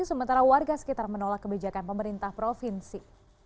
sementara warga sekitar menolak kebijakan pemerintah provinsi